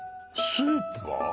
スープは？